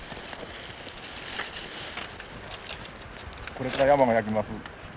これから山を焼きます。